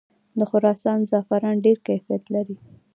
د خراسان زعفران ډیر کیفیت لري.